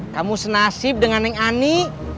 kamu senasib dengan yang ani